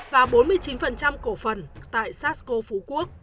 và bốn mươi chín cổ phần tại sasco phú quốc